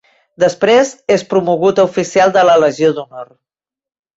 Després és promogut a oficial de la Legió d'Honor.